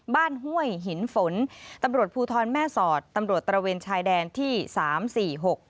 ห้วยหินฝนตำรวจภูทรแม่สอดตำรวจตระเวนชายแดนที่สามสี่หก